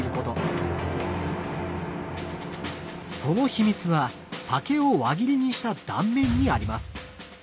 その秘密は竹を輪切りにした断面にあります。